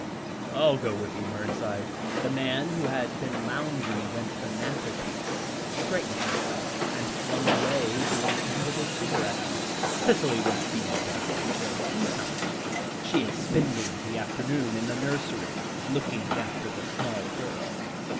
"I'll go with you, Mernside"; the man who had been lounging against the mantelpiece straightened himself, and flung away the end of his cigarette; "Cicely won't be down till tea time; she is spending the afternoon in the nursery, looking after the small girl.